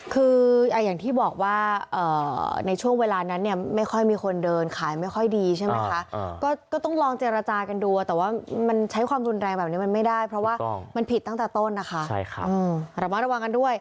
คืออย่างที่บอกว่าในช่วงเวลานั้นเนี่ยไม่ค่อยมีคนเดินขายไม่ค่อยดีใช่ไหมคะก็ต้องลองเจรจากันดูแต่ว่ามันใช้ความรุนแรงแบบนี้มันไม่ได้เพราะว่ามันผิดตั้งแต่ต้นนะคะระมัดระวังกันด้วย